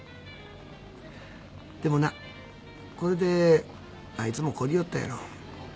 でもなこれであいつも懲りよったやろ。